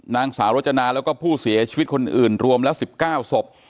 นางสารจนาและผู้เสียชีวิตคนอื่นรวมละ๑๙ศพ